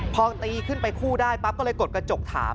พอตีขึ้นไปคู่ได้ปั๊บก็เลยกดกระจกถาม